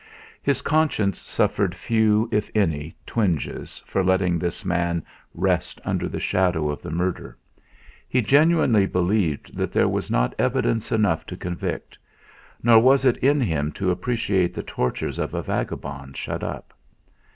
His conscience suffered few, if any, twinges for letting this man rest under the shadow of the murder. He genuinely believed that there was not evidence enough to convict; nor was it in him to appreciate the tortures of a vagabond shut up.